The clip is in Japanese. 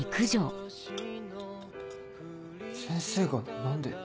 先生が何で。